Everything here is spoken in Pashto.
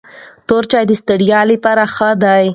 تور چای د ستړیا لپاره ښه دی.